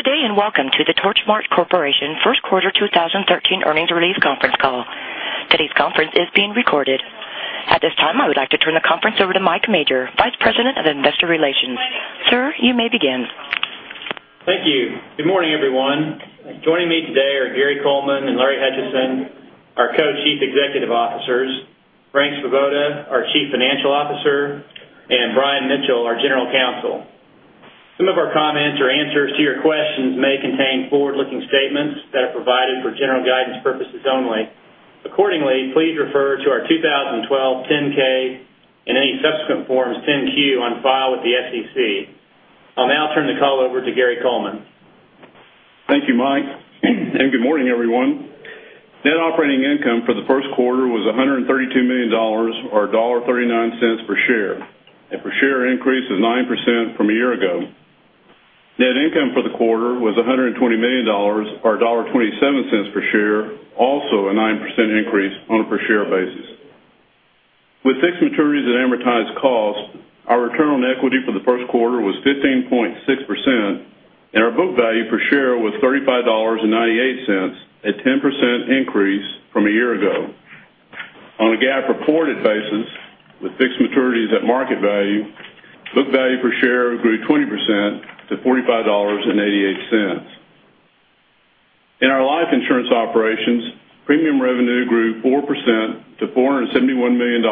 Good day, and welcome to the Torchmark Corporation first quarter 2013 earnings release conference call. Today's conference is being recorded. At this time, I would like to turn the conference over to Mike Majors, Vice President of Investor Relations. Sir, you may begin. Thank you. Good morning, everyone. Joining me today are Gary Coleman and Larry Hutchison, our Co-Chief Executive Officers, Frank Svoboda, our Chief Financial Officer, and Brian Mitchell, our General Counsel. Some of our comments or answers to your questions may contain forward-looking statements that are provided for general guidance purposes only. Accordingly, please refer to our 2012 10-K and any subsequent forms, 10-Q on file with the SEC. I'll now turn the call over to Gary Coleman. Thank you, Mike, and good morning, everyone. Net operating income for the first quarter was $132 million, or $1.39 per share. The per share increase is 9% from a year ago. Net income for the quarter was $120 million, or $1.27 per share, also a 9% increase on a per share basis. With fixed maturities at amortized cost, our return on equity for the first quarter was 15.6%, and our book value per share was $35.98, a 10% increase from a year ago. On a GAAP-reported basis with fixed maturities at market value, book value per share grew 20% to $45.88. In our life insurance operations, premium revenue grew 4% to $471 million,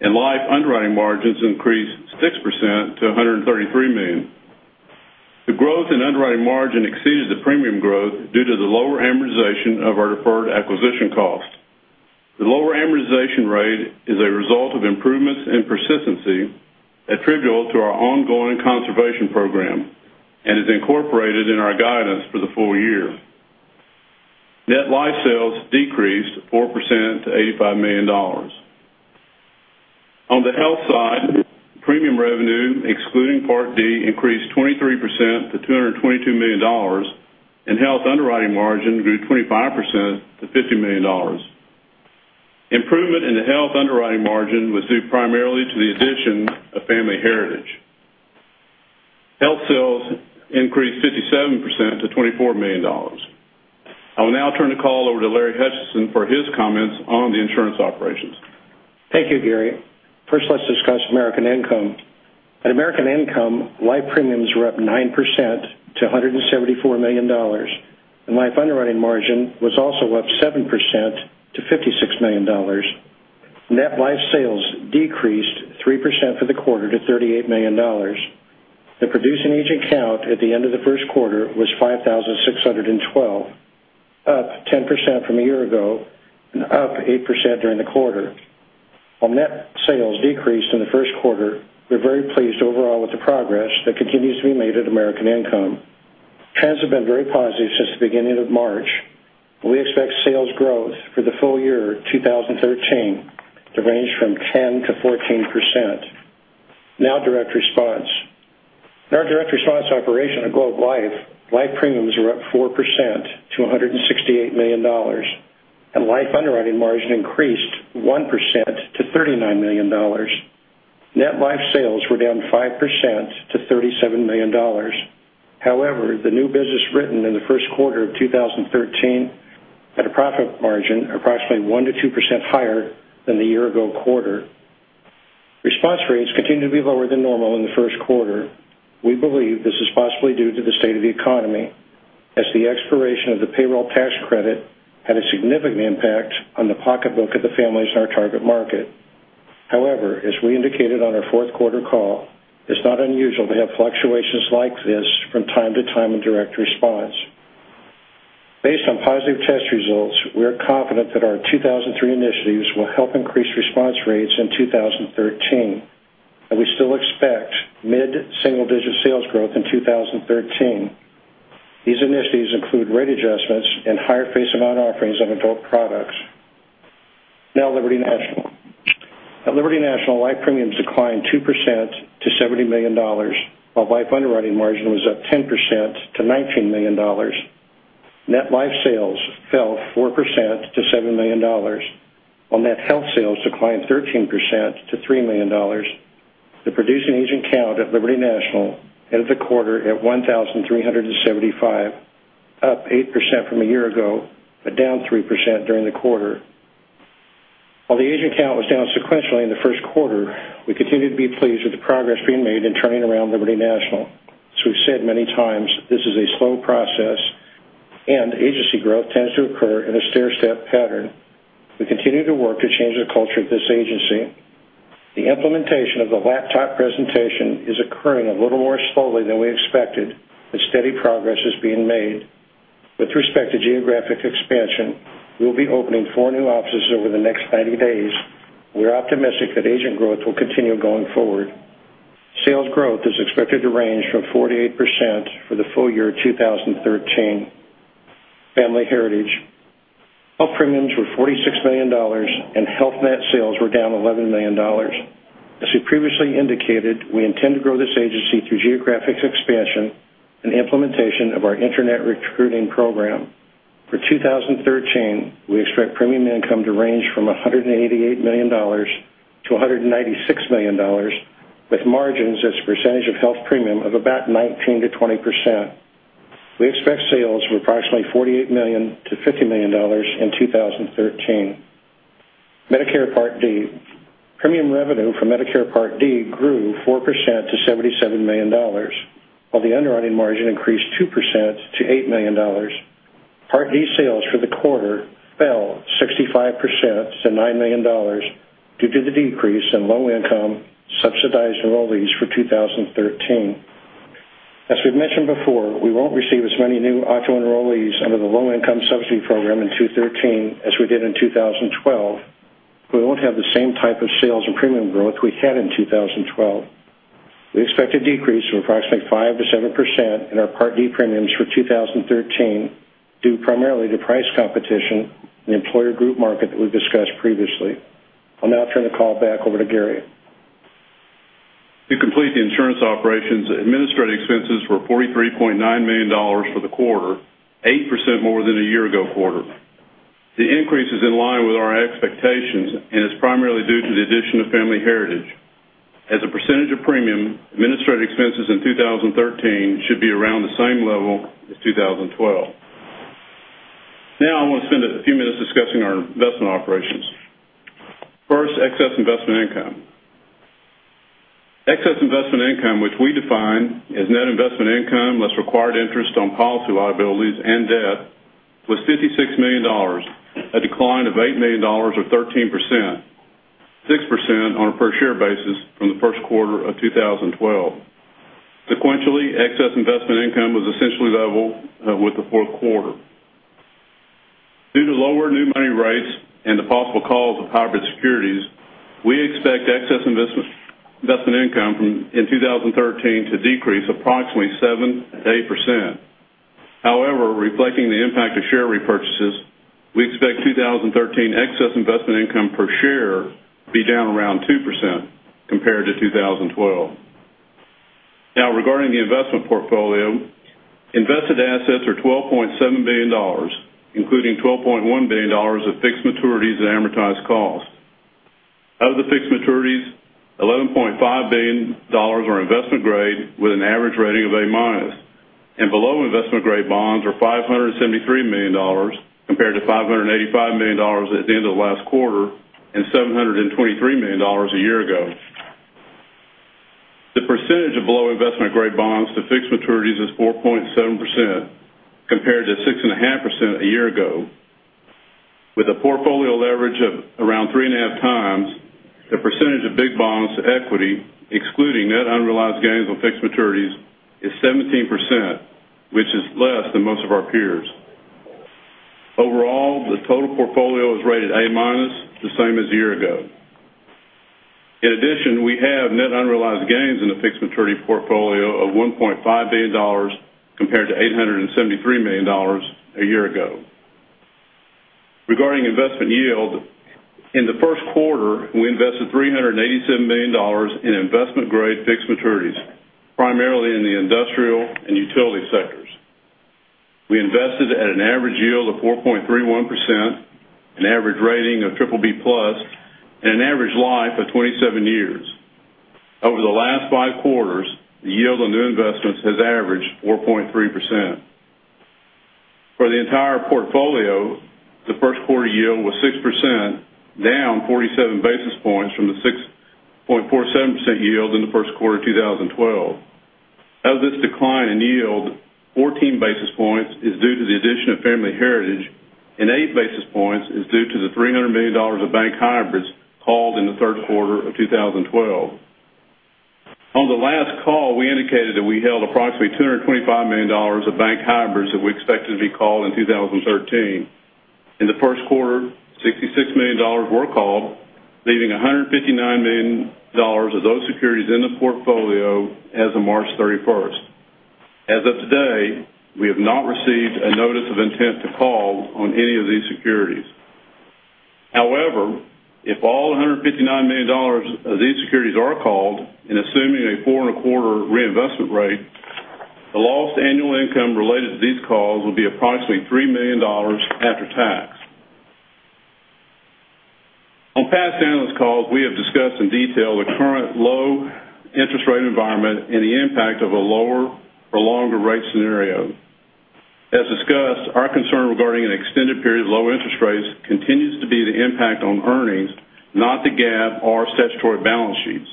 and life underwriting margins increased 6% to $133 million. The growth in underwriting margin exceeded the premium growth due to the lower amortization of our deferred acquisition costs. The lower amortization rate is a result of improvements in persistency attributable to our ongoing conservation program and is incorporated in our guidance for the full year. Net life sales decreased 4% to $85 million. On the health side, premium revenue, excluding Part D, increased 23% to $222 million, and health underwriting margin grew 25% to $50 million. Improvement in the health underwriting margin was due primarily to the addition of Family Heritage. Health sales increased 57% to $24 million. I will now turn the call over to Larry Hutchison for his comments on the insurance operations. Thank you, Gary. First, let's discuss American Income. At American Income, life premiums were up 9% to $174 million, and life underwriting margin was also up 7% to $56 million. Net life sales decreased 3% for the quarter to $38 million. The producing agent count at the end of the first quarter was 5,612, up 10% from a year ago and up 8% during the quarter. While net sales decreased in the first quarter, we're very pleased overall with the progress that continues to be made at American Income. Trends have been very positive since the beginning of March. We expect sales growth for the full year 2013 to range from 10% to 14%. Direct Response. In our Direct Response operation at Globe Life, life premiums were up 4% to $168 million, and life underwriting margin increased 1% to $39 million. Net life sales were down 5% to $37 million. The new business written in the first quarter of 2013 had a profit margin approximately 1% to 2% higher than the year ago quarter. Response rates continued to be lower than normal in the first quarter. We believe this is possibly due to the state of the economy, as the expiration of the payroll tax credit had a significant impact on the pocketbook of the families in our target market. As we indicated on our fourth quarter call, it's not unusual to have fluctuations like this from time to time in Direct Response. Based on positive test results, we are confident that our 2013 initiatives will help increase response rates in 2013, and we still expect mid-single-digit sales growth in 2013. These initiatives include rate adjustments and higher face amount offerings on adult products. Liberty National. At Liberty National, life premiums declined 2% to $70 million, while life underwriting margin was up 10% to $19 million. Net life sales fell 4% to $7 million, while net health sales declined 13% to $3 million. The producing agent count at Liberty National ended the quarter at 1,375, up 8% from a year ago, but down 3% during the quarter. While the agent count was down sequentially in the first quarter, we continue to be pleased with the progress being made in turning around Liberty National. As we've said many times, this is a slow process and agency growth tends to occur in a stair-step pattern. We continue to work to change the culture of this agency. The implementation of the laptop presentation is occurring a little more slowly than we expected, but steady progress is being made. With respect to geographic expansion, we'll be opening four new offices over the next 90 days. We're optimistic that agent growth will continue going forward. Sales growth is expected to range from 4%-8% for the full year 2013. Family Heritage. All premiums were $46 million, and health net sales were down $11 million. As we previously indicated, we intend to grow this agency through geographic expansion and implementation of our internet recruiting program. For 2013, we expect premium income to range from $188 million-$196 million, with margins as a percentage of health premium of about 19%-20%. We expect sales of approximately $48 million-$50 million in 2013. Medicare Part D. Premium revenue for Medicare Part D grew 4% to $77 million, while the underwriting margin increased 2% to $8 million. Part D sales for the quarter fell 65% to $9 million due to the decrease in Low-Income Subsidized enrollees for 2013. As we've mentioned before, we won't receive as many new auto enrollees under the Low-Income Subsidy program in 2013 as we did in 2012. We won't have the same type of sales and premium growth we had in 2012. We expect a decrease of approximately 5%-7% in our Part D premiums for 2013, due primarily to price competition in the employer group market that we've discussed previously. I'll now turn the call back over to Gary. To complete the insurance operations, administrative expenses were $43.9 million for the quarter, 8% more than a year ago quarter. The increase is in line with our expectations and is primarily due to the addition of Family Heritage. As a percentage of premium, administrative expenses in 2013 should be around the same level as 2012. I want to spend a few minutes discussing our investment operations. First, excess investment income. Excess investment income, which we define as net investment income, less required interest on policy liabilities and debt, was $56 million, a decline of $8 million or 13%, 6% on a per share basis from the first quarter of 2012. Sequentially, excess investment income was essentially level with the fourth quarter. Due to lower new money rates and the possible calls of hybrid securities, we expect excess investment income in 2013 to decrease approximately 7%-8%. However, reflecting the impact of share repurchases, we expect 2013 excess investment income per share to be down around 2% compared to 2012. Regarding the investment portfolio, invested assets are $12.7 billion, including $12.1 billion of fixed maturities at amortized cost. Out of the fixed maturities, $11.5 billion are investment grade with an average rating of A-, and below investment-grade bonds are $573 million compared to $585 million at the end of last quarter and $723 million a year ago. The percentage of below investment-grade bonds to fixed maturities is 4.7% compared to 6.5% a year ago. With a portfolio leverage of around three and a half times, the percentage of big bonds to equity, excluding net unrealized gains on fixed maturities, is 17%, which is less than most of our peers. Overall, the total portfolio is rated A-, the same as a year ago. In addition, we have net unrealized gains in the fixed maturity portfolio of $1.5 billion compared to $873 million a year ago. Regarding investment yield, in the first quarter, we invested $387 million in investment-grade fixed maturities, primarily in the industrial and utility sectors. We invested at an average yield of 4.31%, an average rating of BBB+, and an average life of 27 years. Over the last five quarters, the yield on new investments has averaged 4.3%. For the entire portfolio, the first quarter yield was 6%, down 47 basis points from the 6.47% yield in the first quarter of 2012. Of this decline in yield, 14 basis points is due to the addition of Family Heritage, and eight basis points is due to the $300 million of bank hybrids called in the third quarter of 2012. On the last call, we indicated that we held approximately $225 million of bank hybrids that we expected to be called in 2013. In the first quarter, $66 million were called, leaving $159 million of those securities in the portfolio as of March 31st. As of today, we have not received a notice of intent to call on any of these securities. If all $159 million of these securities are called, and assuming a four and a quarter reinvestment rate, the lost annual income related to these calls will be approximately $3 million after tax. On past analyst calls, we have discussed in detail the current low interest rate environment and the impact of a lower for longer rate scenario. As discussed, our concern regarding an extended period of low interest rates continues to be the impact on earnings, not the GAAP or statutory balance sheets.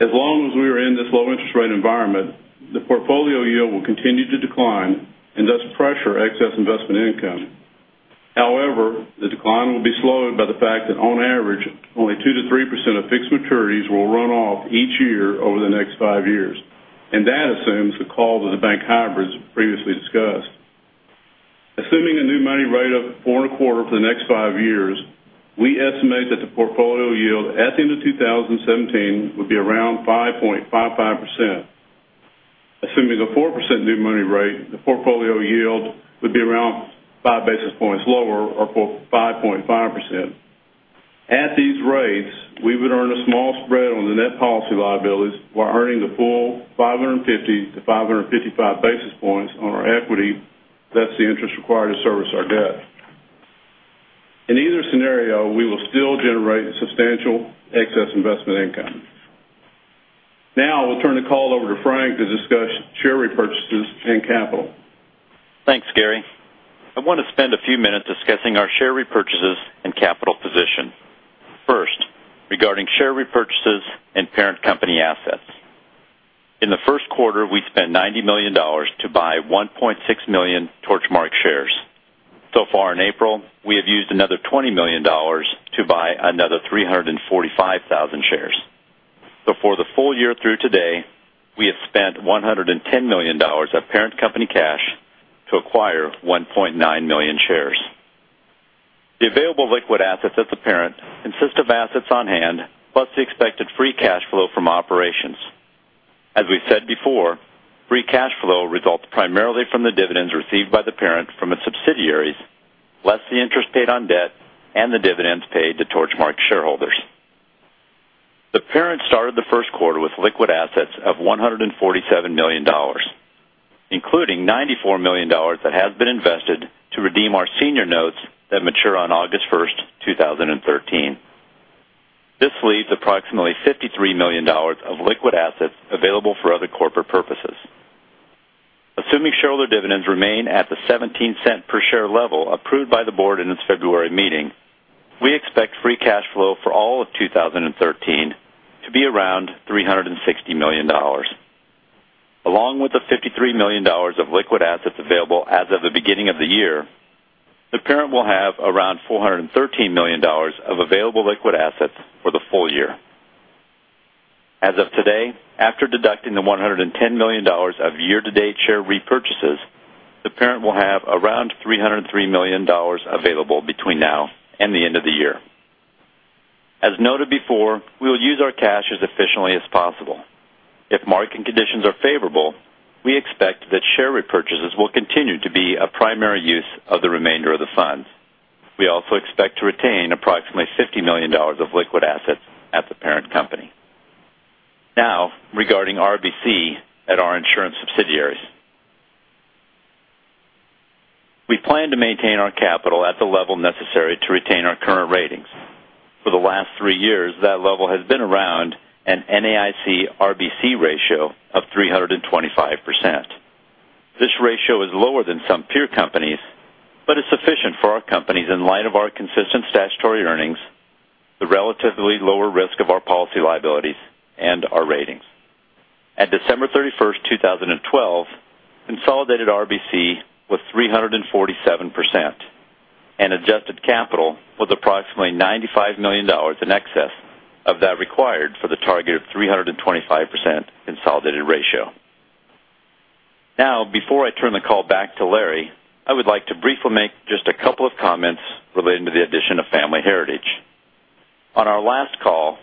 As long as we are in this low interest rate environment, the portfolio yield will continue to decline and thus pressure excess investment income. The decline will be slowed by the fact that on average, only 2%-3% of fixed maturities will run off each year over the next 5 years, and that assumes the call of the bank hybrids previously discussed. Assuming a new money rate of four and a quarter for the next 5 years, we estimate that the portfolio yield at the end of 2017 will be around 5.55%. Assuming a 4% new money rate, the portfolio yield would be around five basis points lower or 5.5%. At these rates, we would earn a small spread on the net policy liabilities while earning the full 550-555 basis points on our equity. That's the interest required to service our debt. In either scenario, we will still generate substantial excess investment income. I will turn the call over to Frank to discuss share repurchases and capital. Thanks, Gary. I want to spend a few minutes discussing our share repurchases and capital position. First, regarding share repurchases and parent company assets. In the first quarter, we spent $90 million to buy 1.6 million Torchmark shares. Far in April, we have used another $20 million to buy another 345,000 shares. For the full year through today, we have spent $110 million of parent company cash to acquire 1.9 million shares. The available liquid assets at the parent consist of assets on hand, plus the expected free cash flow from operations. As we said before, free cash flow results primarily from the dividends received by the parent from its subsidiaries, less the interest paid on debt and the dividends paid to Torchmark shareholders. The parent started the first quarter with liquid assets of $147 million, including $94 million that has been invested to redeem our senior notes that mature on August 1st, 2013. This leaves approximately $53 million of liquid assets available for other corporate purposes. Assuming shareholder dividends remain at the $0.17 per share level approved by the board in its February meeting, we expect free cash flow for all of 2013 to be around $360 million. Along with the $53 million of liquid assets available as of the beginning of the year, the parent will have around $413 million of available liquid assets for the full year. As of today, after deducting the $110 million of year-to-date share repurchases, the parent will have around $303 million available between now and the end of the year. As noted before, we will use our cash as efficiently as possible. If market conditions are favorable, we expect that share repurchases will continue to be a primary use of the remainder of the funds. We also expect to retain approximately $50 million of liquid assets at the parent company. Regarding RBC at our insurance subsidiaries. We plan to maintain our capital at the level necessary to retain our current ratings. For the last three years, that level has been around an NAIC RBC ratio of 325%. This ratio is lower than some peer companies, but is sufficient for our companies in light of our consistent statutory earnings, the relatively lower risk of our policy liabilities, and our ratings. At December 31st, 2012, consolidated RBC was 347%, and adjusted capital was approximately $95 million in excess of that required for the target of 325% consolidated ratio. Before I turn the call back to Larry, I would like to briefly make just a couple of comments relating to the addition of Family Heritage. On our last call,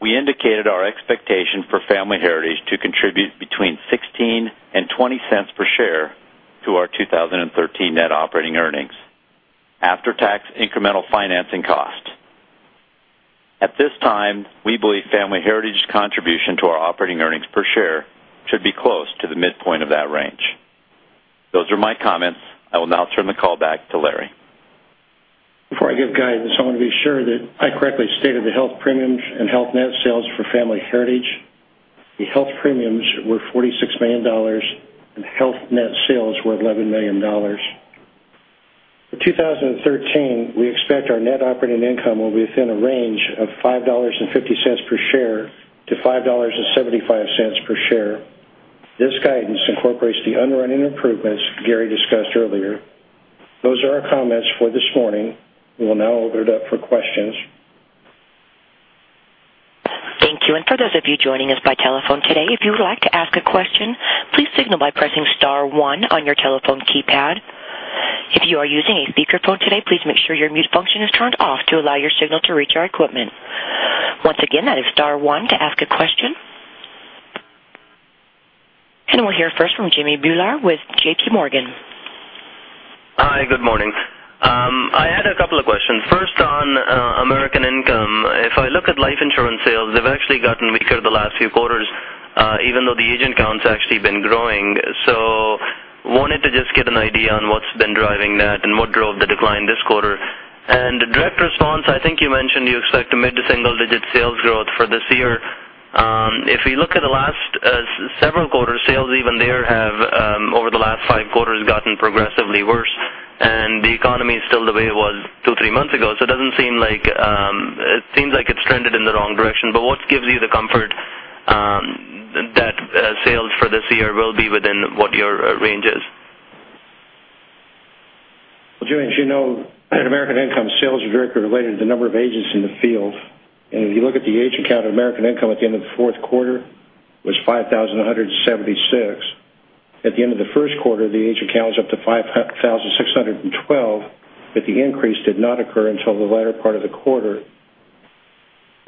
we indicated our expectation for Family Heritage to contribute between $0.16 and $0.20 per share to our 2013 net operating earnings after tax incremental financing cost. At this time, we believe Family Heritage's contribution to our operating earnings per share should be close to the midpoint of that range. Those are my comments. I will now turn the call back to Larry. Before I give guidance, I want to be sure that I correctly stated the health premiums and health net sales for Family Heritage. The health premiums were $46 million, and health net sales were $11 million. For 2013, we expect our net operating income will be within a range of $5.50 per share to $5.75 per share. This guidance incorporates the underwriting improvements Gary discussed earlier. Those are our comments for this morning. We will now open it up for questions. Thank you. For those of you joining us by telephone today, if you would like to ask a question, please signal by pressing *1 on your telephone keypad. If you are using a speakerphone today, please make sure your mute function is turned off to allow your signal to reach our equipment. Once again, that is *1 to ask a question. We'll hear first from Jimmy Bhullar with JPMorgan. Hi, good morning. I had a couple of questions. First, on American Income, if I look at life insurance sales, they've actually gotten weaker the last few quarters, even though the agent count's actually been growing. Wanted to just get an idea on what's been driving that and what drove the decline this quarter. Direct Response, I think you mentioned you expect a mid to single-digit sales growth for this year. If we look at the last several quarters, sales even there have over the last five quarters gotten progressively worse, and the economy is still the way it was two, three months ago. It seems like it's trended in the wrong direction, but what gives you the comfort that sales for this year will be within what your range is? Well, Jimmy, as you know, at American Income, sales are directly related to the number of agents in the field. If you look at the agent count of American Income at the end of the fourth quarter, it was 5,176. At the end of the first quarter, the agent count was up to 5,612, but the increase did not occur until the latter part of the quarter.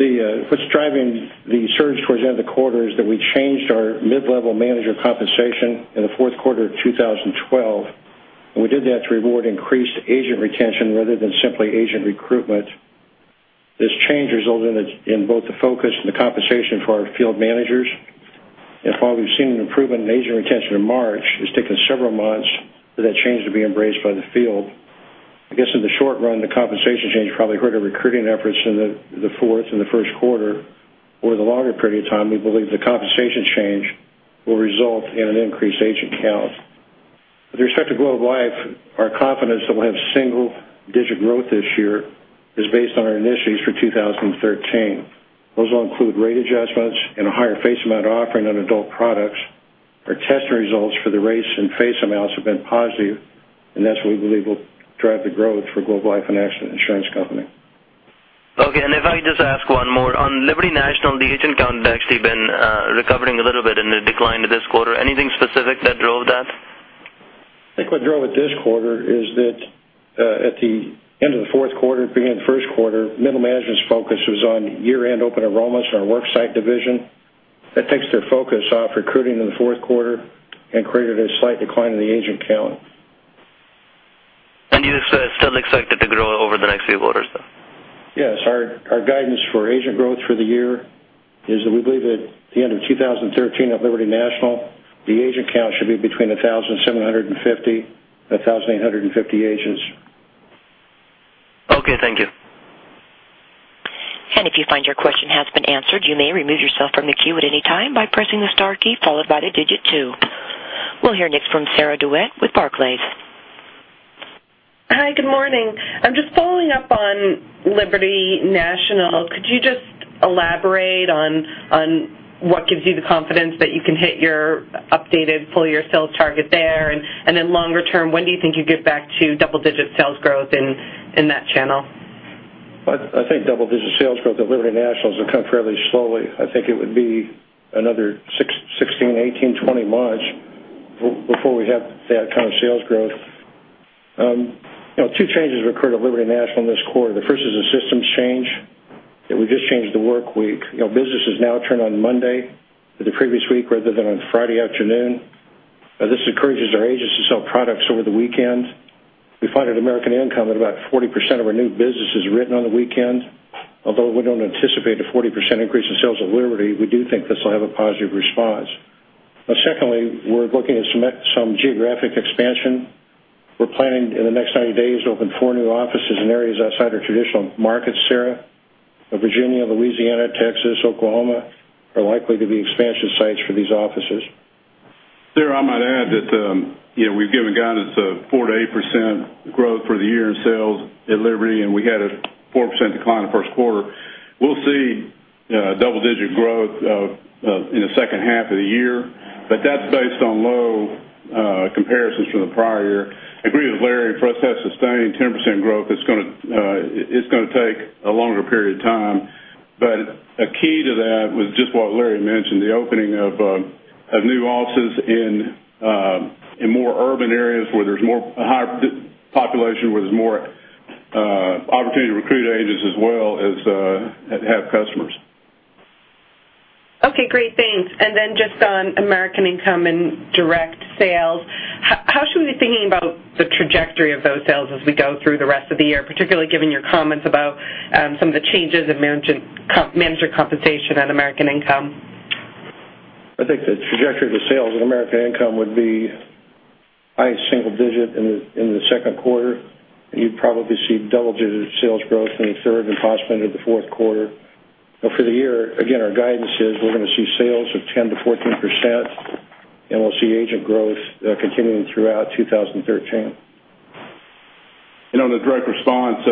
What's driving the surge towards the end of the quarter is that we changed our mid-level manager compensation in the fourth quarter of 2012. We did that to reward increased agent retention rather than simply agent recruitment. This change resulted in both the focus and the compensation for our field managers. While we've seen an improvement in agent retention in March, it's taken several months for that change to be embraced by the field. I guess in the short run, the compensation change probably hurt our recruiting efforts in the fourth and the first quarter. Over the longer period of time, we believe the compensation change will result in an increased agent count. With respect to Globe Life, our confidence that we'll have single-digit growth this year is based on our initiatives for 2013. Those will include rate adjustments and a higher face amount offering on adult products. Our testing results for the rates and face amounts have been positive. That's what we believe will drive the growth for Globe Life and Accident Insurance Company. Okay. If I could just ask one more. On Liberty National, the agent count has actually been recovering a little bit in the decline to this quarter. Anything specific that drove that? I think what drove it this quarter is that at the end of the fourth quarter, beginning of the first quarter, middle management's focus was on year-end open enrollments in our work site division. That takes their focus off recruiting in the fourth quarter and created a slight decline in the agent count. You still expect it to grow over the next few quarters, though? Yes. Our guidance for agent growth for the year is that we believe at the end of 2013 at Liberty National, the agent count should be between 1,750-1,850 agents. Okay, thank you. If you find your question has been answered, you may remove yourself from the queue at any time by pressing the star key followed by the digit 2. We'll hear next from Sarah DeWitt with Barclays. Hi, good morning. I'm just following up on Liberty National. Could you just elaborate on what gives you the confidence that you can hit your updated full-year sales target there? Then longer term, when do you think you get back to double-digit sales growth in that channel? I think double-digit sales growth at Liberty National will come fairly slowly. I think it would be another 16, 18, 20 months before we have that kind of sales growth. Two changes occurred at Liberty National this quarter. The first is a systems change, that we just changed the work week. Business is now turned on Monday for the previous week, rather than on Friday afternoon. This encourages our agents to sell products over the weekend. We find at American Income that about 40% of our new business is written on the weekend. Although we don't anticipate a 40% increase in sales at Liberty, we do think this will have a positive response. Secondly, we're looking at some geographic expansion. We're planning, in the next 90 days, to open four new offices in areas outside our traditional markets, Sarah. Virginia, Louisiana, Texas, Oklahoma are likely to be expansion sites for these offices. Sarah, I might add that we've given guidance of 4%-8% growth for the year in sales at Liberty, we had a 4% decline in the first quarter. We'll see double-digit growth in the second half of the year. That's based on low comparisons from the prior year. I agree with Larry, for us to have sustained 10% growth it's going to take a longer period of time. A key to that was just what Larry mentioned, the opening of new offices in more urban areas where there's a higher population, where there's more opportunity to recruit agents as well as have customers. Okay, great. Thanks. Then just on American Income and direct sales, how should we be thinking about the trajectory of those sales as we go through the rest of the year, particularly given your comments about some of the changes in manager compensation at American Income? I think the trajectory of the sales at American Income would be high single digit in the second quarter. You'd probably see double-digit sales growth in the third and possibly into the fourth quarter. For the year, again, our guidance is we're going to see sales of 10%-14%, we'll see agent growth continuing throughout 2013. On the Direct Response,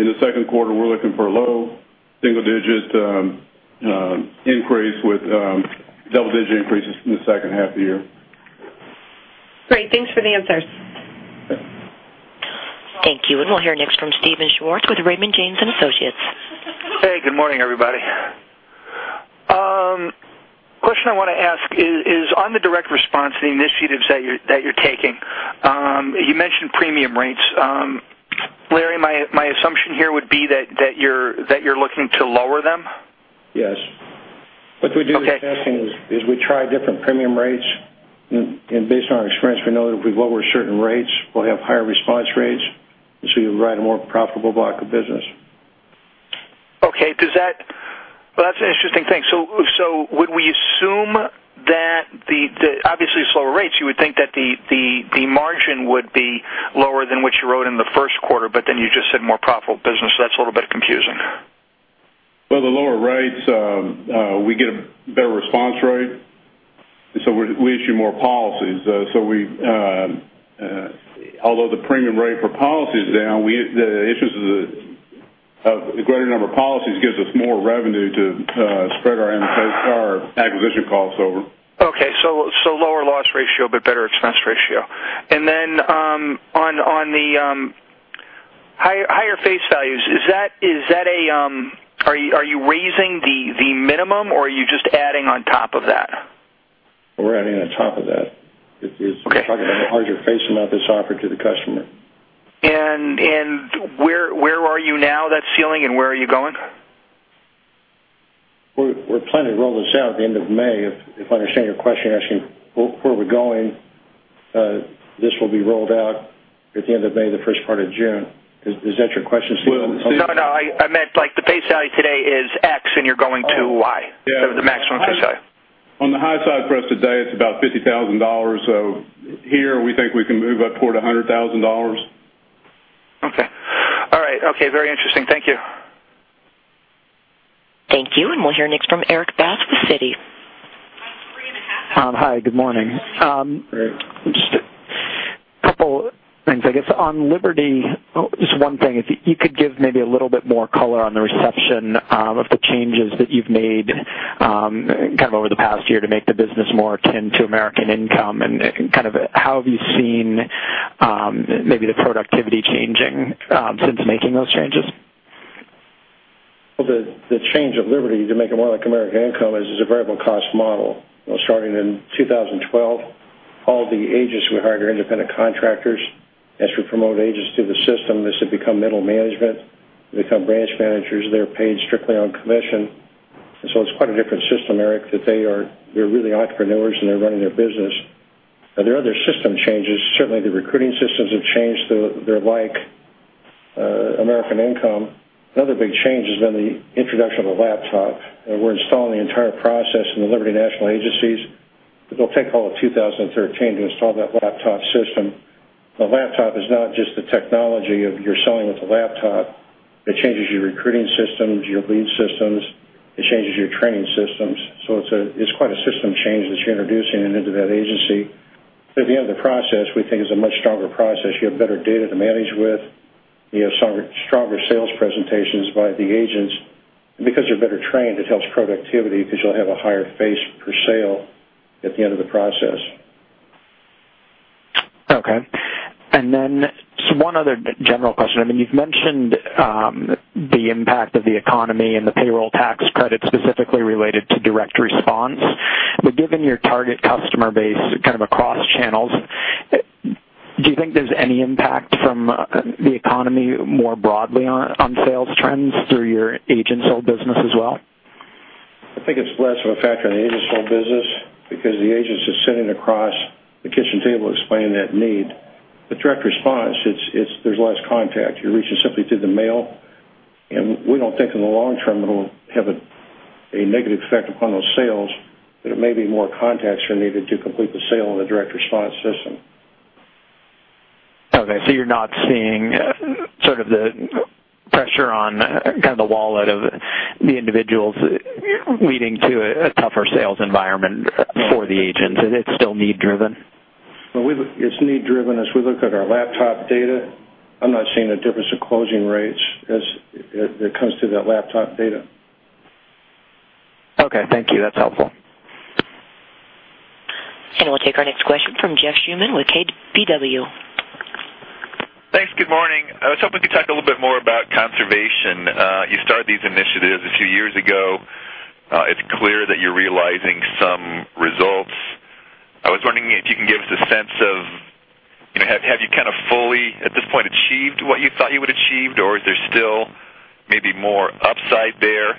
in the second quarter, we're looking for a low single-digit increase with double-digit increases in the second half of the year. Great. Thanks for the answers. Thank you. We'll hear next from Steven Schwartz with Raymond James & Associates. Hey, good morning, everybody. Question I want to ask is on the Direct Response initiatives that you're taking. You mentioned premium rates. Larry, my assumption here would be that you're looking to lower them? Yes. Okay. What we do with testing is we try different premium rates. Based on our experience, we know that if we lower certain rates, we'll have higher response rates. You'll write a more profitable block of business. Okay. Well, that's an interesting thing. Would we assume that, obviously, it's lower rates, you would think that the margin would be lower than what you wrote in the first quarter. You just said more profitable business. That's a little bit confusing. Well, the lower rates, we get a better response rate. We issue more policies. Although the premium rate for policy is down, the issues of the greater number of policies gives us more revenue to spread our acquisition costs over. Okay. Lower loss ratio, better expense ratio. On the higher face values, are you raising the- Base amount that's offered to the customer. Where are you now, that ceiling, and where are you going? We're planning to roll this out at the end of May. If I understand your question, you're asking where we're going. This will be rolled out at the end of May, the first part of June. Is that your question? No, I meant the base value today is X, and you're going to Y. The maximum high side. On the high side for us today, it's about $50,000. Here, we think we can move up toward $100,000. Okay. All right. Okay. Very interesting. Thank you. Thank you. We'll hear next from Erik Bass with Citi. Hi, good morning. Erik. Just a couple things, I guess, on Liberty. Just one thing, if you could give maybe a little bit more color on the reception of the changes that you've made kind of over the past year to make the business more akin to American Income and kind of how have you seen maybe the productivity changing since making those changes? Well, the change of Liberty to make it more like American Income is a variable cost model. Starting in 2012, all of the agents we hired are independent contractors. As we promote agents through the system, as they become middle management, they become branch managers. They're paid strictly on commission. It's quite a different system, Erik, that they're really entrepreneurs and they're running their business. Now there are other system changes. Certainly, the recruiting systems have changed. They're like American Income. Another big change has been the introduction of a laptop. We're installing the entire process in the Liberty National agencies, but it'll take all of 2013 to install that laptop system. The laptop is not just the technology of you're selling with a laptop. It changes your recruiting systems, your lead systems. It changes your training systems. It's quite a system change that you're introducing into that agency. At the end of the process, we think it's a much stronger process. You have better data to manage with. You have stronger sales presentations by the agents. Because they're better trained, it helps productivity because you'll have a higher face per sale at the end of the process. Okay. Just one other general question. You've mentioned the impact of the economy and the payroll tax credit, specifically related to Direct Response. Given your target customer base kind of across channels, do you think there's any impact from the economy more broadly on sales trends through your agent-sold business as well? I think it's less of a factor in the agent-sold business because the agent is sitting across the kitchen table explaining that need. With Direct Response, there's less contact. You're reaching simply through the mail. We don't think in the long term it'll have a negative effect upon those sales. Maybe more contacts are needed to complete the sale in the Direct Response system. Okay, you're not seeing sort of the pressure on kind of the wallet of the individuals leading to a tougher sales environment for the agents. It's still need driven? Well, it's need driven. As we look at our laptop data, I'm not seeing a difference in closing rates as it comes to that laptop data. Okay, thank you. That's helpful. We'll take our next question from Jeff Schumann with KBW. Thanks. Good morning. I was hoping to talk a little bit more about conservation. You started these initiatives a few years ago. It's clear that you're realizing some results. I was wondering if you can give us a sense of, have you kind of fully, at this point, achieved what you thought you would achieve? Or is there still maybe more upside there?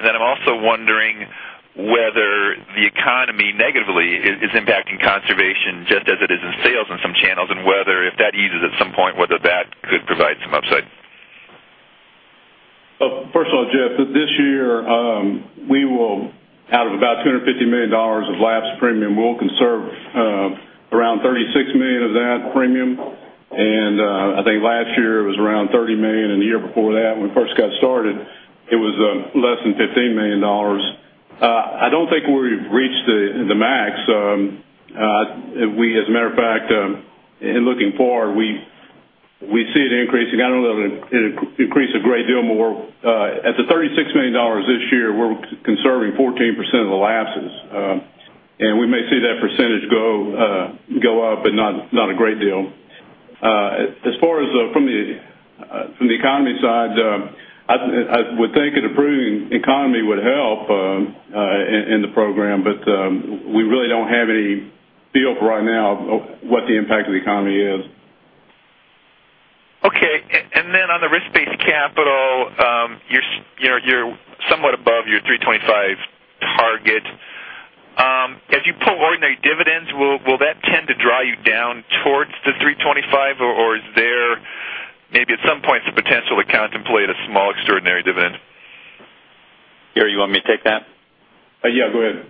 Then I'm also wondering whether the economy negatively is impacting conservation just as it is in sales in some channels, and whether if that eases at some point, whether that could provide some upside. First of all, Jeff, this year, out of about $250 million of lapsed premium, we'll conserve around $36 million of that premium, and I think last year it was around $30 million, and the year before that, when we first got started, it was less than $15 million. I don't think we've reached the max. We, as a matter of fact, in looking forward, we see it increasing. I don't know that it will increase a great deal more. At the $36 million this year, we're conserving 14% of the lapses. We may see that percentage go up, but not a great deal. From the economy side, I would think an improving economy would help in the program, but we really don't have any feel for right now what the impact of the economy is. Okay. Then on the risk-based capital, you're somewhat above your 325 target. As you pull ordinary dividends, will that tend to draw you down towards the 325, or is there maybe at some point the potential to contemplate a small extraordinary dividend? Gary, you want me to take that? Yeah, go ahead.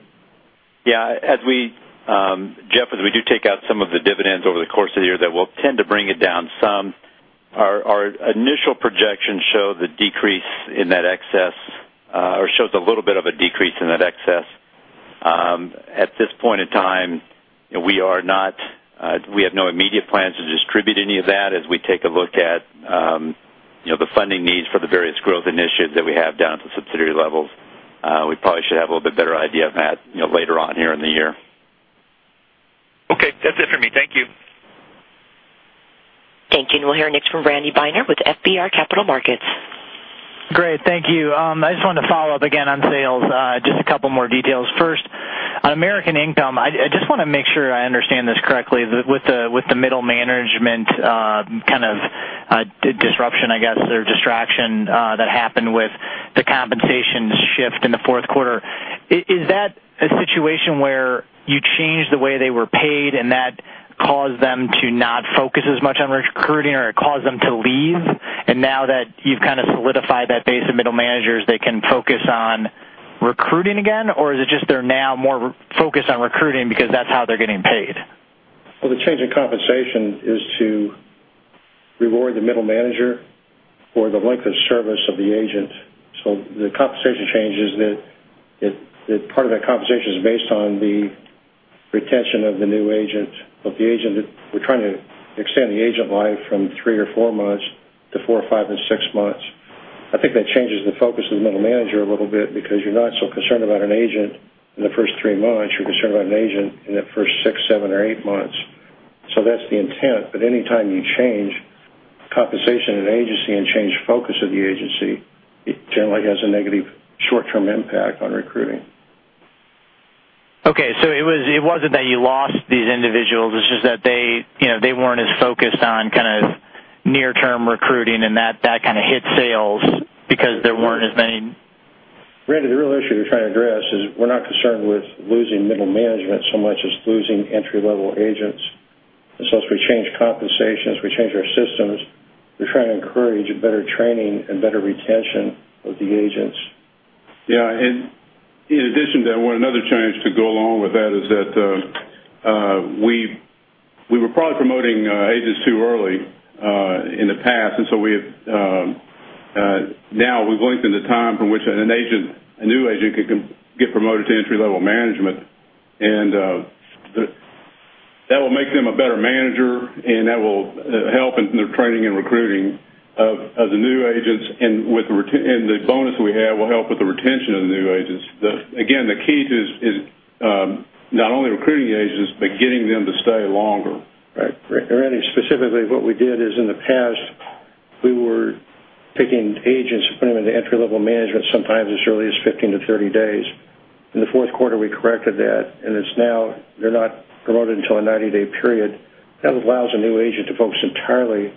Yeah. Jeff, as we do take out some of the dividends over the course of the year, that will tend to bring it down some. Our initial projections show the decrease in that excess or shows a little bit of a decrease in that excess. At this point in time, we have no immediate plans to distribute any of that as we take a look at the funding needs for the various growth initiatives that we have down at the subsidiary levels. We probably should have a little bit better idea of that later on here in the year. Okay. That's it for me. Thank you. Thank you. We'll hear next from Randy Binner with FBR Capital Markets. Great. Thank you. I just wanted to follow up again on sales, just a couple more details. First, on American Income, I just want to make sure I understand this correctly. With the middle management disruption, I guess, or distraction that happened with the compensation shift in the fourth quarter, is that a situation where you changed the way they were paid and that caused them to not focus as much on recruiting or it caused them to leave? Now that you've kind of solidified that base of middle managers, they can focus on recruiting again? Or is it just they're now more focused on recruiting because that's how they're getting paid? Well, the change in compensation is to reward the middle manager for the length of service of the agent. The compensation change is that part of that compensation is based on the retention of the new agent, of the agent that we're trying to extend the agent life from three or four months to four, five, and six months. I think that changes the focus of the middle manager a little bit because you're not so concerned about an agent in the first three months. You're concerned about an agent in the first six, seven, or eight months. That's the intent. Anytime you change compensation at an agency and change focus of the agency, it generally has a negative short-term impact on recruiting. Okay, it wasn't that you lost these individuals, it's just that they weren't as focused on near-term recruiting and that kind of hit sales because there weren't as many. Randy, the real issue we're trying to address is we're not concerned with losing middle management so much as losing entry-level agents. As we change compensations, we change our systems. We're trying to encourage better training and better retention of the agents. Yeah, in addition to that, another change to go along with that is that we were probably promoting agents too early in the past. Now we've lengthened the time from which a new agent can get promoted to entry-level management. That will make them a better manager, and that will help in their training and recruiting of the new agents. The bonus we have will help with the retention of the new agents. Again, the key is not only recruiting agents but getting them to stay longer. Right. Randy, specifically what we did is in the past, we were taking agents and putting them into entry-level management sometimes as early as 15 to 30 days. In the fourth quarter, we corrected that, and it's now they're not promoted until a 90-day period. That allows a new agent to focus entirely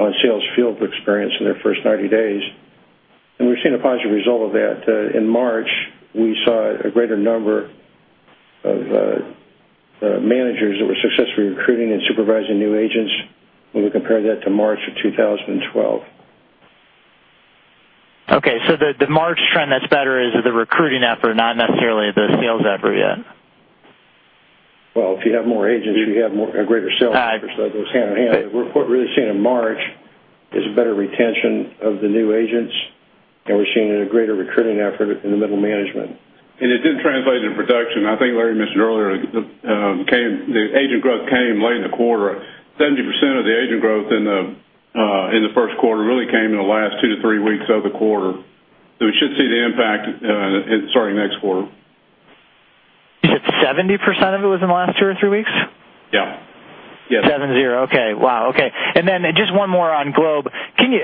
on sales field experience in their first 90 days. We've seen a positive result of that. In March, we saw a greater number of managers that were successfully recruiting and supervising new agents when we compare that to March of 2012. Okay, the March trend that's better is the recruiting effort, not necessarily the sales effort yet. Well, if you have more agents, you have a greater sales force. Those go hand in hand. What we're really seeing in March is better retention of the new agents, and we're seeing a greater recruiting effort in the middle management. It did translate into production. I think Larry mentioned earlier, the agent growth came late in the quarter. 70% of the agent growth in the first quarter really came in the last two to three weeks of the quarter. We should see the impact starting next quarter. You said 70% of it was in the last two or three weeks? Yeah. 70. Okay. Wow. Okay. Just one more on Globe. Can you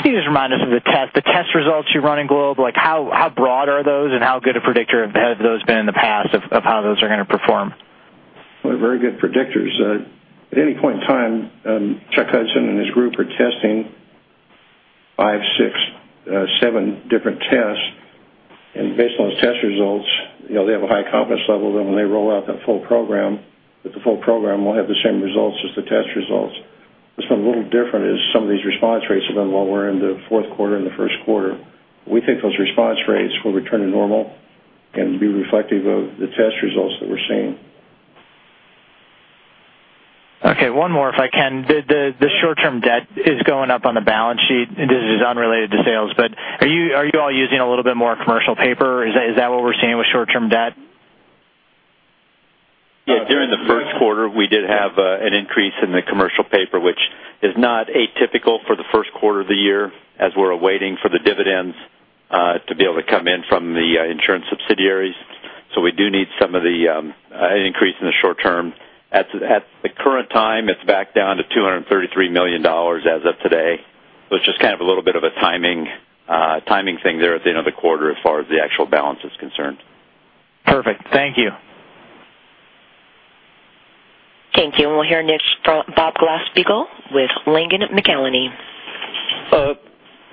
just remind us of the test results you run in Globe? How broad are those and how good a predictor have those been in the past of how those are going to perform? Well, they're very good predictors. At any point in time, Charles Hudson and his group are testing five, six, seven different tests, and based on those test results, they have a high confidence level that when they roll out that full program, that the full program will have the same results as the test results. What's been a little different is some of these response rates have been lower in the fourth quarter and the first quarter. We think those response rates will return to normal and be reflective of the test results that we're seeing. Okay, one more if I can. The short-term debt is going up on the balance sheet. This is unrelated to sales, but are you all using a little bit more commercial paper? Is that what we're seeing with short-term debt? Yeah, during the first quarter, we did have an increase in the commercial paper, which is not atypical for the first quarter of the year as we're awaiting for the dividends to be able to come in from the insurance subsidiaries. We do need some of the increase in the short term. At the current time, it's back down to $233 million as of today. It's just kind of a little bit of a timing thing there at the end of the quarter as far as the actual balance is concerned. Perfect. Thank you. Thank you. We'll hear next from Bob Glasspiegel with Janney Capital Markets.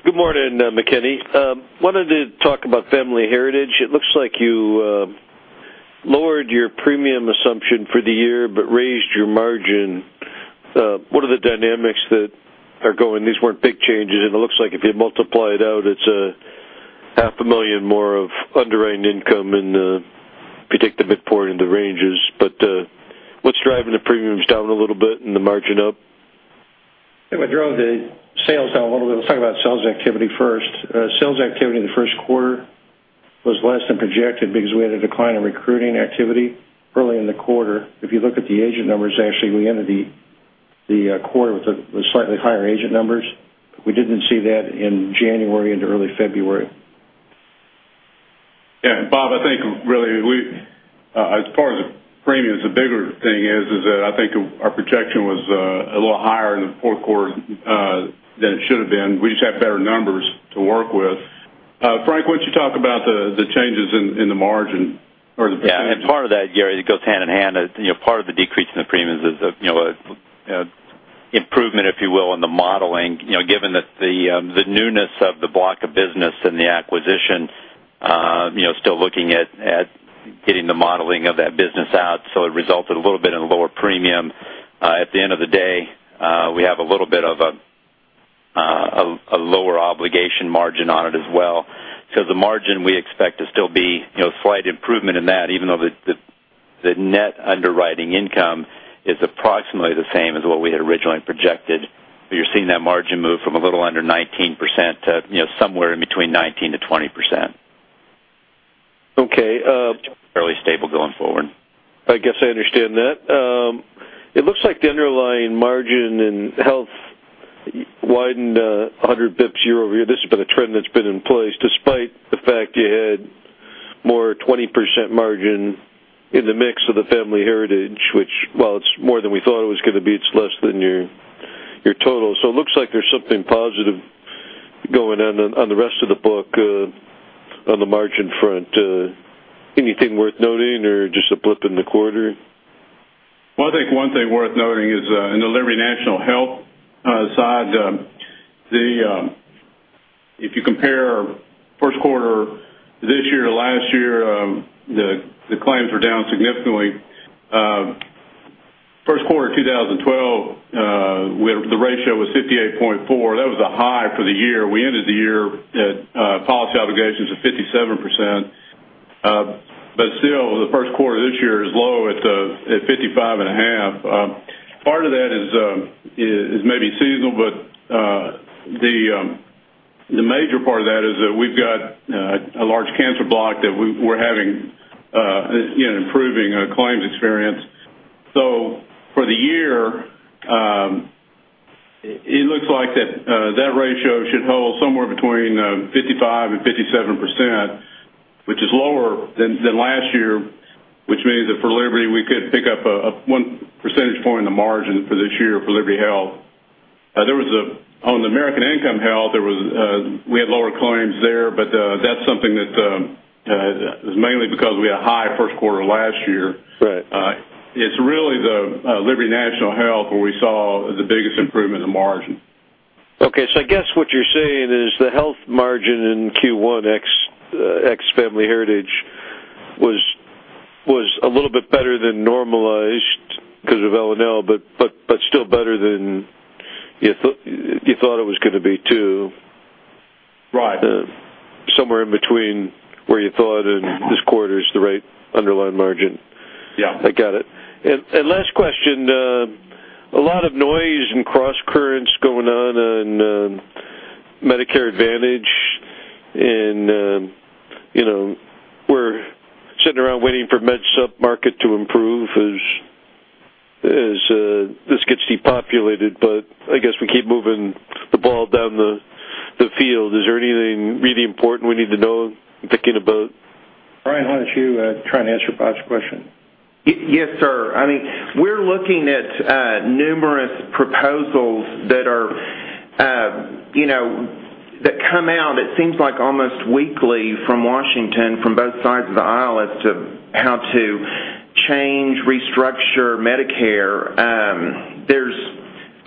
Good morning, McKinney. Wanted to talk about Family Heritage. It looks like you lowered your premium assumption for the year but raised your margin. What are the dynamics that are going? These weren't big changes, and it looks like if you multiply it out, it's a half a million more of underwriting income if you take the midpoint in the ranges. What's driving the premiums down a little bit and the margin up? What drove the sales down a little bit, let's talk about sales activity first. Sales activity in the first quarter was less than projected because we had a decline in recruiting activity early in the quarter. If you look at the agent numbers, actually, we ended the quarter with slightly higher agent numbers. We didn't see that in January into early February. Bob, I think really as far as the premiums, the bigger thing is that I think our projection was a little higher in the fourth quarter than it should have been. We just have better numbers to work with. Frank, why don't you talk about the changes in the margin or the percentages? Part of that, Gary, it goes hand in hand. Part of the decrease in the premiums is an improvement, if you will, in the modeling. Given that the newness of the block of business and the acquisition, still looking at getting the modeling of that business out, it resulted a little bit in a lower premium. At the end of the day, we have a little bit of a lower obligation margin on it as well. The margin we expect to still be slight improvement in that, even though the net underwriting income is approximately the same as what we had originally projected. You're seeing that margin move from a little under 19% to somewhere in between 19%-20%. Okay. Fairly stable going forward. I guess I understand that. It looks like the underlying margin in Health widened 100 basis points year-over-year. This has been a trend that's been in place despite the fact you had more 20% margin in the mix of the Family Heritage, which, while it's more than we thought it was going to be, it's less than your total. It looks like there's something positive going on on the rest of the book on the margin front. Anything worth noting or just a blip in the quarter? Well, I think one thing worth noting is in the Liberty National Health side, if you compare first quarter this year to last year, the claims were down significantly. First quarter 2012, the ratio was 58.4. That was a high for the year. We ended the year at policy obligations of 57%. Still, the first quarter this year is low at 55.5. Part of that is maybe seasonal, but the major part of that is that we've got a large cancer block that we're having improving claims experience. For the year, it looks like that ratio should hold somewhere between 55%-57%, which is lower than last year, which means that for Liberty, we could pick up one percentage point in the margin for this year for Liberty Health. On the American Income Health, we had lower claims there, that's something that is mainly because we had a high first quarter last year. Right. It's really the Liberty National Health where we saw the biggest improvement in margin. Okay. I guess what you're saying is the health margin in Q1 ex Family Heritage was a little bit better than normalized because of LNL, still better than you thought it was going to be, too. Right. Somewhere in between where you thought and this quarter's the right underlying margin. Yeah. I got it. Last question, a lot of noise and cross currents going on in Medicare Advantage, and we're sitting around waiting for MedSup market to improve as this gets depopulated, I guess we keep moving the ball down the field. Is there anything really important we need to know and thinking about? Brian, why don't you try and answer Bob's question? Yes, sir. We're looking at numerous proposals that come out, it seems like almost weekly from Washington, from both sides of the aisle as to how to change, restructure Medicare. There's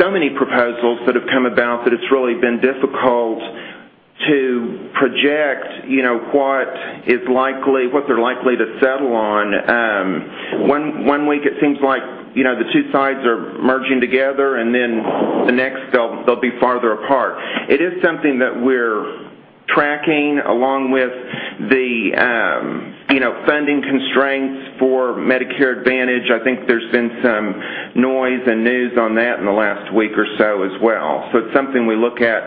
so many proposals that have come about that it's really been difficult to project what they're likely to settle on. One week it seems like the two sides are merging together, and then the next they'll be farther apart. It is something that we're tracking along with the funding constraints for Medicare Advantage. I think there's been some noise and news on that in the last week or so as well. It's something we look at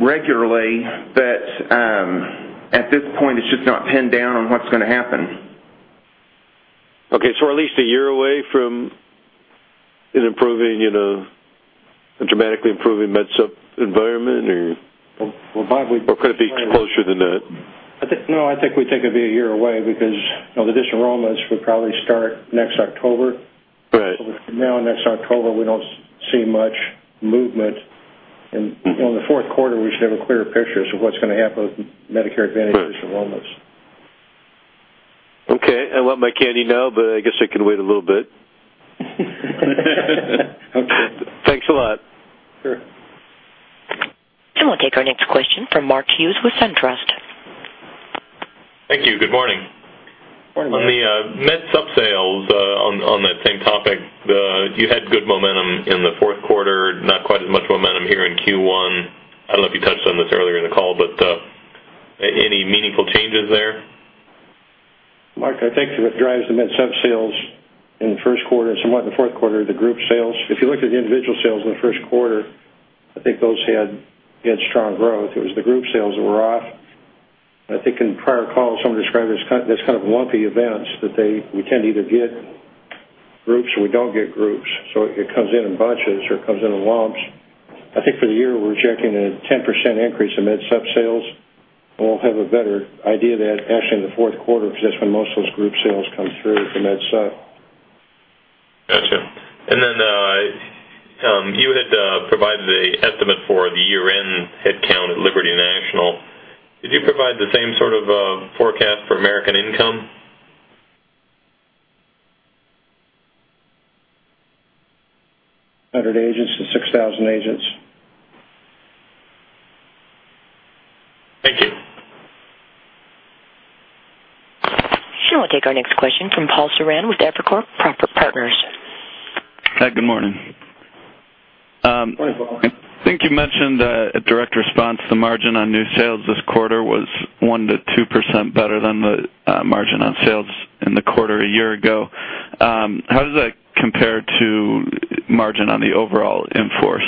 regularly, but at this point, it's just not pinned down on what's going to happen. Okay. We're at least a year away from dramatically improving MedSup environment? Could it be closer than that? No, I think we think it'd be a year away because the disenrollments would probably start next October. Right. From now next October, we don't see much movement. In the fourth quarter, we should have a clearer picture as to what's going to happen with Medicare Advantage disenrollments. Okay. I want my candy now, but I guess I can wait a little bit. Okay. Thanks a lot. Sure. We'll take our next question from Mark Hughes with SunTrust. Thank you. Good morning. Morning, Mark. On the MedSup sales, on that same topic, you had good momentum in the fourth quarter, not quite as much momentum here in Q1. I don't know if you touched on this earlier in the call, but any meaningful changes there? Mark, I think what drives the MedSup sales in the first quarter, somewhat in the fourth quarter, are the group sales. If you look at the individual sales in the first quarter, I think those had strong growth. It was the group sales that were off. I think in prior calls, someone described it as kind of lumpy events that we tend to either get groups, we don't get groups, so it comes in in bunches or it comes in in lumps. I think for the year, we're projecting a 10% increase in MedSup sales. We'll have a better idea of that actually in the fourth quarter, because that's when most of those group sales come through for MedSup. Got you. Then you had provided the estimate for the year-end headcount at Liberty National. Did you provide the same sort of forecast for American Income? 100 agents to 6,000 agents. Thank you. Sure, we'll take our next question from Paul Newsome with Evercore Partners. Hi, good morning. Morning, Paul. I think you mentioned a Direct Response to margin on new sales this quarter was 1%-2% better than the margin on sales in the quarter a year ago. How does that compare to margin on the overall in-force?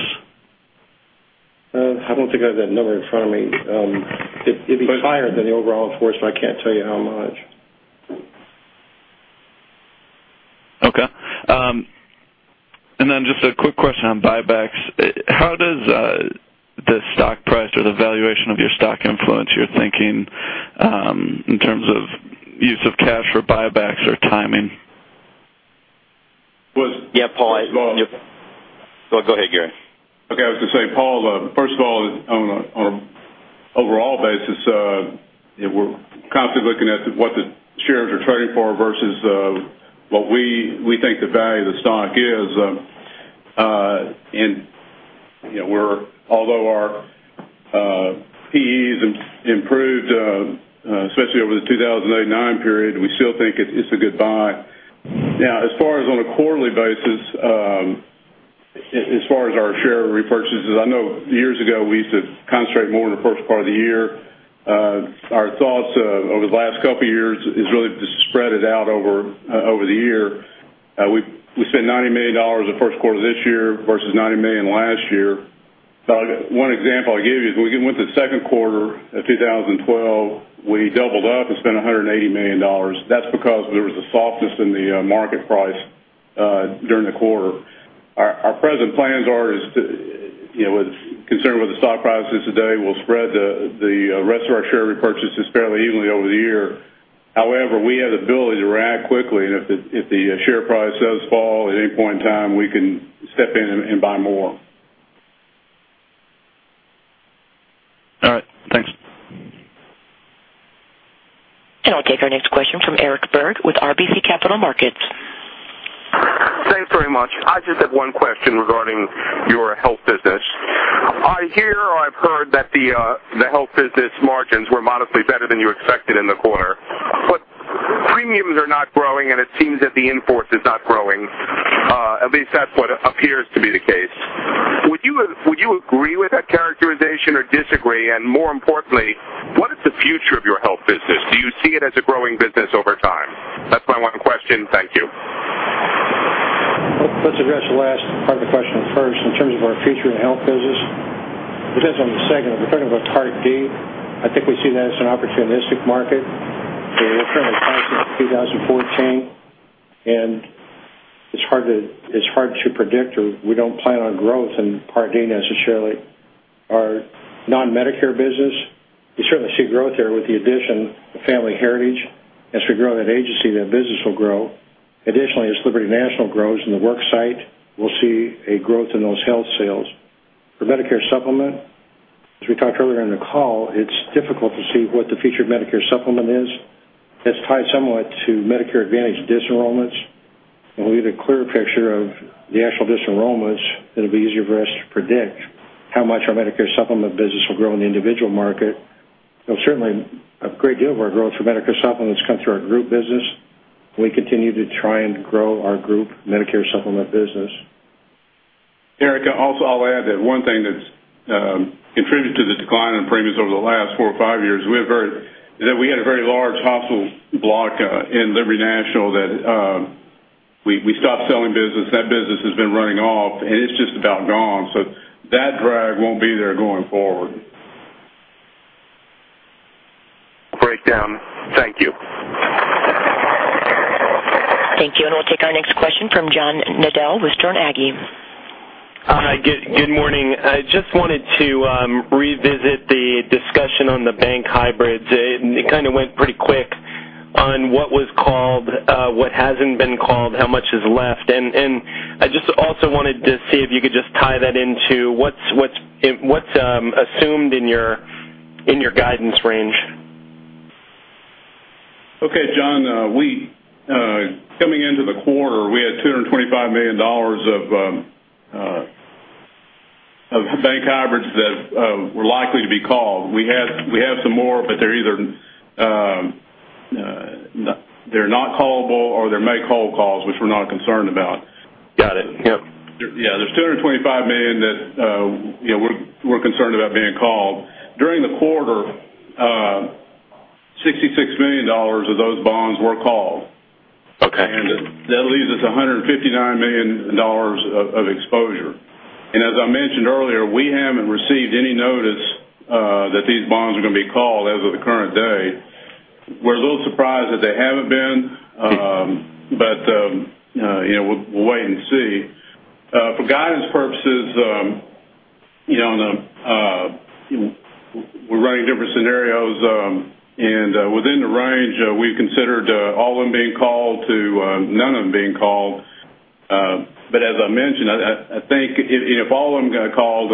I don't think I have that number in front of me. It'd be higher than the overall in-force, but I can't tell you how much. Okay. Just a quick question on buybacks. How does the stock price or the valuation of your stock influence your thinking in terms of use of cash for buybacks or timing? Was- Yeah, Paul, Go ahead, Gary. Okay, I was going to say, Paul, first of all, on an overall basis, we're constantly looking at what the shares are trading for versus what we think the value of the stock is. Although our PEs improved, especially over the 2008 and 2009 period, we still think it's a good buy. As far as on a quarterly basis, as far as our share repurchases, I know years ago, we used to concentrate more in the first part of the year. Our thoughts over the last couple of years is really to spread it out over the year. We spent $90 million in the first quarter of this year versus $90 million last year. One example I give you is we went to the second quarter of 2012. We doubled up and spent $180 million. That's because there was a softness in the market price during the quarter. Our present plans are, concerning where the stock price is today, we'll spread the rest of our share repurchases fairly evenly over the year. However, we have the ability to react quickly, and if the share price does fall at any point in time, we can step in and buy more. All right. Thanks. I'll take our next question from Eric Berg with RBC Capital Markets. Thanks very much. I just have one question regarding your health business. I hear or I've heard that the health business margins were modestly better than you expected in the quarter. Premiums are not growing, and it seems that the in-force is not growing. At least that's what appears to be the case. Would you agree with that characterization or disagree? More importantly, what is the future of your health business? Do you see it as a growing business over time? That's my one question. Thank you. Let's address the last part of the question first. In terms of our future in the health business. It says on the second, we're part of a Part D. I think we see that as an opportunistic market. We're currently priced through 2014, and it's hard to predict or we don't plan on growth in Part D necessarily. Our non-Medicare business, we certainly see growth there with the addition of Family Heritage. As we grow that agency, that business will grow. Additionally, as Liberty National grows in the work site, we'll see a growth in those health sales. For Medicare Supplement, as we talked earlier in the call, it's difficult to see what the future of Medicare Supplement is. That's tied somewhat to Medicare Advantage disenrollments. When we get a clearer picture of the actual disenrollments, it'll be easier for us to predict how much our Medicare Supplement business will grow in the individual market. Certainly, a great deal of our growth for Medicare Supplements come through our group business. We continue to try and grow our group Medicare Supplement business. Eric, also, I'll add that one thing that's contributed to the decline in premiums over the last four or five years, we had a very large hospital block in Liberty National that we stopped selling business. That business has been running off, and it's just about gone. That drag won't be there going forward. Breakdown. Thank you. Thank you. We'll take our next question from John Nadel with Sterne Agee. Hi, good morning. I just wanted to revisit the discussion on the bank hybrids. It kind of went pretty quick on what was called, what hasn't been called, how much is left. I just also wanted to see if you could just tie that into what's assumed in your guidance range. Okay, John. Coming into the quarter, we had $225 million of bank hybrids that were likely to be called. We have some more, but they're not callable, or they make-whole calls, which we're not concerned about. Got it. Yep. Yeah, there's $225 million that we're concerned about being called. During the quarter, $66 million of those bonds were called. Okay. That leaves us $159 million of exposure. As I mentioned earlier, we haven't received any notice that these bonds are going to be called as of the current day. We're a little surprised that they haven't been. We'll wait and see. For guidance purposes, we're running different scenarios, and within the range, we've considered all of them being called to none of them being called. As I mentioned, I think if all of them got called,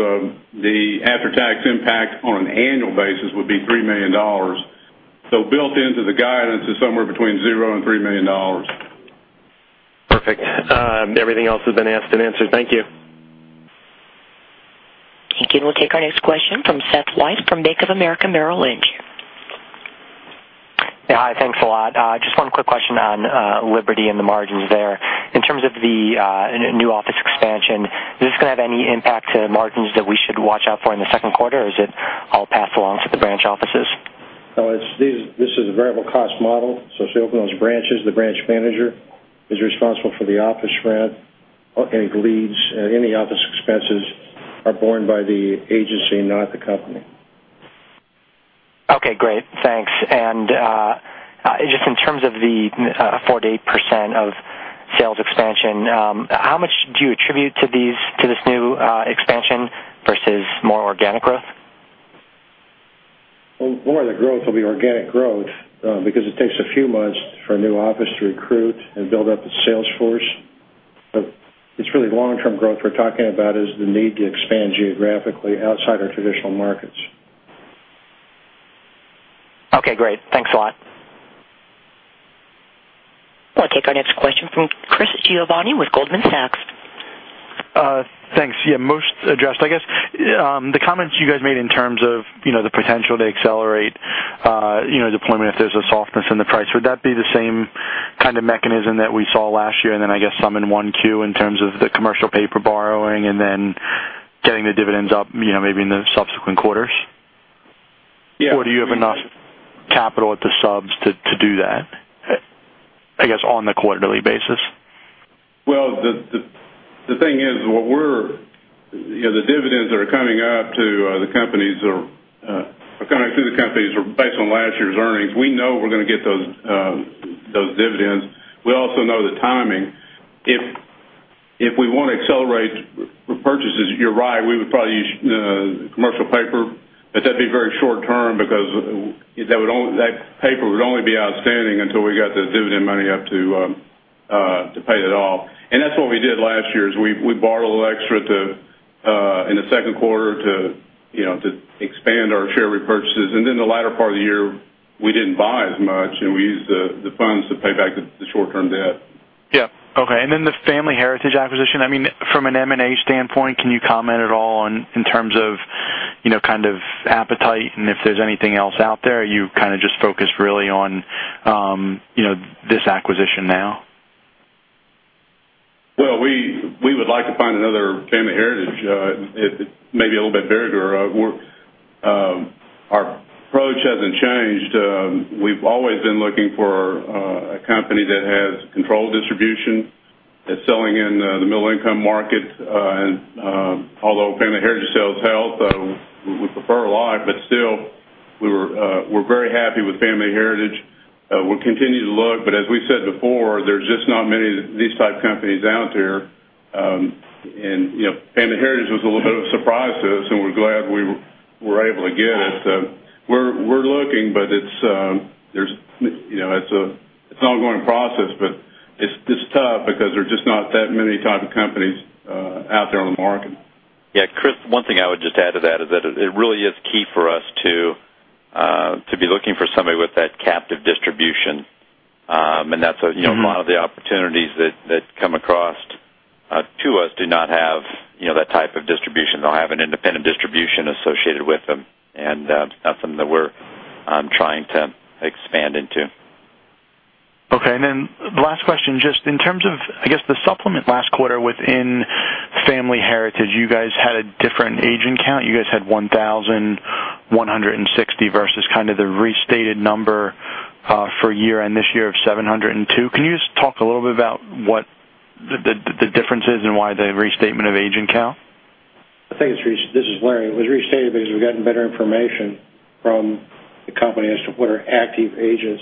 the after-tax impact on an annual basis would be $3 million. Built into the guidance is somewhere between zero and $3 million. Perfect. Everything else has been asked and answered. Thank you. Thank you. We'll take our next question from Seth Weiss from Bank of America Merrill Lynch. Yeah, hi. Thanks a lot. Just one quick question on Liberty and the margins there. In terms of the new office expansion, is this going to have any impact to margins that we should watch out for in the second quarter, or is it all passed along to the branch offices? No, this is a variable cost model, so if they open those branches, the branch manager is responsible for the office rent, any office expenses are borne by the agency, not the company. Okay, great. Thanks. Just in terms of the 48% of sales expansion, how much do you attribute to this new expansion versus more organic growth? Well, more of the growth will be organic growth because it takes a few months for a new office to recruit and build up a sales force. It's really long-term growth we're talking about is the need to expand geographically outside our traditional markets. Okay, great. Thanks a lot. We'll take our next question from Chris Giovanni with Goldman Sachs. Thanks. Yeah, most addressed, I guess. The comments you guys made in terms of the potential to accelerate deployment if there's a softness in the price, would that be the same kind of mechanism that we saw last year and then I guess some in 1Q in terms of the commercial paper borrowing and then getting the dividends up maybe in the subsequent quarters? Yeah. Do you have enough capital at the subs to do that, I guess, on the quarterly basis? Well, the thing is, the dividends that are coming through the companies are based on last year's earnings. We know we're going to get those dividends. We also know the timing. If we want to accelerate repurchases, you're right, we would probably use commercial paper, but that'd be very short term because that paper would only be outstanding until we got the dividend money up to pay that off. That's what we did last year, is we borrowed a little extra in the second quarter to expand our share repurchases. Then the latter part of the year, we didn't buy as much, and we used the funds to pay back the short-term debt. Yeah. Okay. Then the Family Heritage acquisition, from an M&A standpoint, can you comment at all in terms of appetite, and if there's anything else out there, you kind of just focused really on this acquisition now? Well, we would like to find another Family Heritage, maybe a little bit bigger. Our approach hasn't changed. We've always been looking for a company that has controlled distribution, that's selling in the middle income market. Although Family Heritage sells health, we prefer life, but still, we're very happy with Family Heritage. We'll continue to look, but as we said before, there's just not many of these type companies out there. Family Heritage was a little bit of a surprise to us, and we're glad we were able to get it. We're looking, but it's an ongoing process, but it's tough because there's just not that many type of companies out there on the market. Yeah, Chris, one thing I would just add to that is that it really is key for us to be looking for somebody with that captive distribution. A lot of the opportunities that come across to us do not have that type of distribution. They'll have an independent distribution associated with them, and that's something that we're trying to expand into. Okay. Then the last question, just in terms of, I guess, the supplement last quarter within Family Heritage, you guys had a different agent count. You guys had 1,160 versus kind of the restated number for year-end this year of 702. Can you just talk a little bit about what the difference is and why the restatement of agent count? This is Larry. It was restated because we've gotten better information from the company as to what are active agents.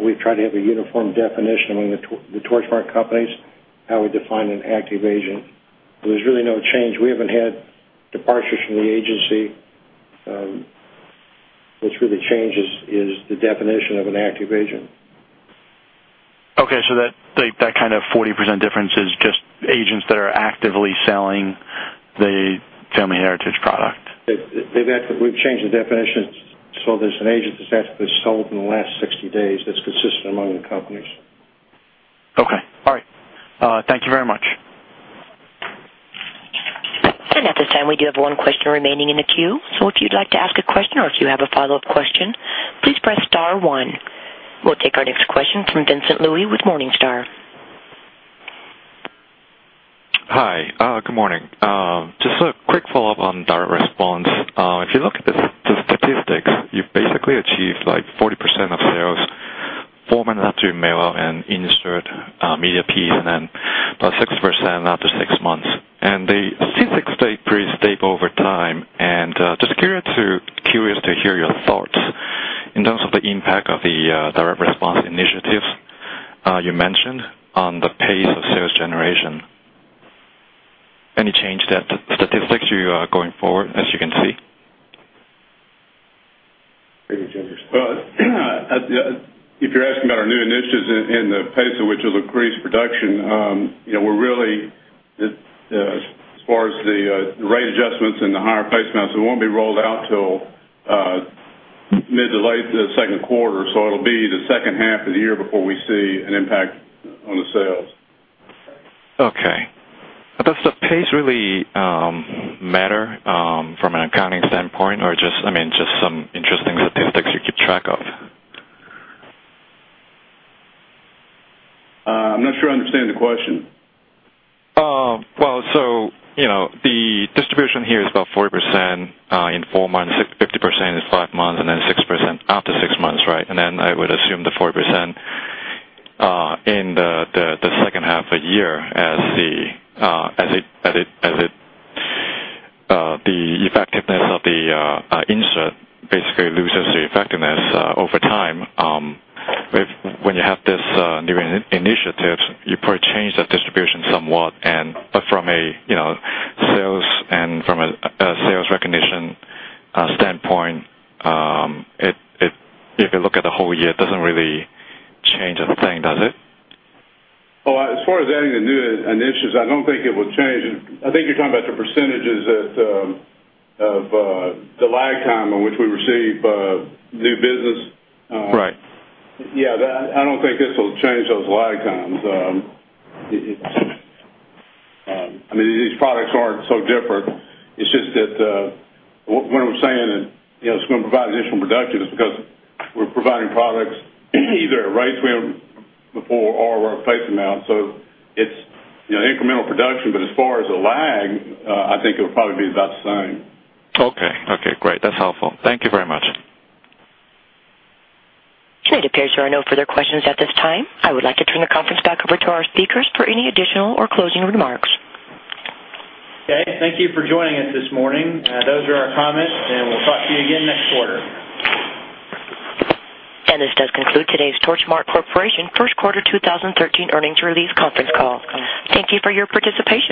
We try to have a uniform definition among the Torchmark companies, how we define an active agent. There's really no change. We haven't had departures from the agency. What's really changed is the definition of an active agent. Okay, that kind of 40% difference is just agents that are actively selling the Family Heritage product. We've changed the definition there's an agent that's actively sold in the last 60 days that's consistent among the companies. Okay. All right. Thank you very much. At this time, we do have one question remaining in the queue. If you'd like to ask a question or if you have a follow-up question, please press star one. We'll take our next question from Vincent Lui with Morningstar. Hi. Good morning. Just a quick follow-up on Direct Response. If you look at the statistics, you've basically achieved like 40% of sales Four months after mail-out and insert media program, plus 6% after six months. The statistics stay pretty stable over time. Just curious to hear your thoughts in terms of the impact of the Direct Response initiatives you mentioned on the pace of sales generation. Any change, that statistics you are going forward, as you can see? Maybe Jenn can speak. If you're asking about our new initiatives and the pace at which it'll increase production, as far as the rate adjustments and the higher placement, it won't be rolled out till mid to late second quarter. It'll be the second half of the year before we see an impact on the sales. Okay. Does the pace really matter from an accounting standpoint or just some interesting statistics you keep track of? I'm not sure I understand the question. The distribution here is about 40% in four months, 50% in five months, and then 6% after six months, right? I would assume the 4% in the second half of the year as the effectiveness of the insert basically loses the effectiveness over time. When you have these new initiatives, you probably change that distribution somewhat, but from a sales recognition standpoint, if you look at the whole year, it doesn't really change a thing, does it? As far as adding the new initiatives, I don't think it would change. I think you're talking about the percentages of the lag time in which we receive new business. Right. I don't think this will change those lag times. These products aren't so different. It's just that when we're saying that it's going to provide additional production is because we're providing products either at rates we had before or a replacement amount. It's incremental production, but as far as the lag, I think it would probably be about the same. Great. That's helpful. Thank you very much. It appears there are no further questions at this time. I would like to turn the conference back over to our speakers for any additional or closing remarks. Okay. Thank you for joining us this morning. Those are our comments, and we'll talk to you again next quarter. This does conclude today's Torchmark Corporation First Quarter 2013 Earnings Release Conference Call. Thank you for your participation.